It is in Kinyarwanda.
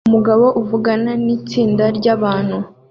Umugabo uvugana nitsinda ryabantu